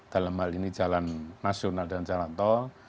dalam hal ini jalan nasional dan jalan tol